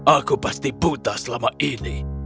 aku pasti buta selama ini